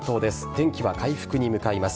天気は回復に向かいます。